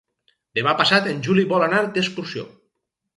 Demà passat en Juli vol anar d'excursió.